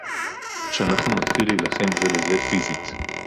שאנחנו נתחיל להילחם זה בזה פיזית